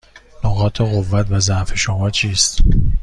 نقاط قوت و ضعف شما چیست؟